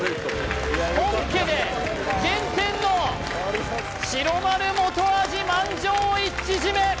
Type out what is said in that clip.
本家で原点の白丸元味満場一致締め！